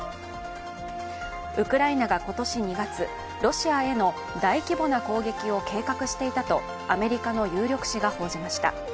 ウクライナが今年２月ロシアへの大規模な攻撃を計画していたとアメリカの有力紙が報じました。